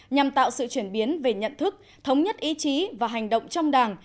nhằm tạo sự chuyển biến về nhận thức thống nhất ý chí và hành động trong đảng